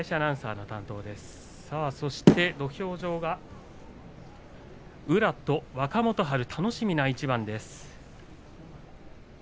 土俵上は宇良と若元春、楽しみな一番です。